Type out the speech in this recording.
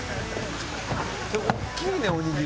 大きいねおにぎり！